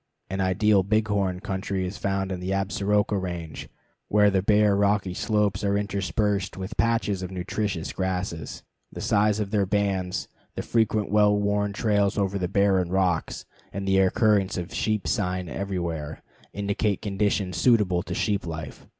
An ideal bighorn country is found in the Absaroka Range, where the bare rocky slopes are interspersed with patches of nutritious grasses. The size of their bands, the frequent well worn trails over the barren rocks, and the occurrence of sheep "sign" everywhere, indicate conditions suitable to sheep life.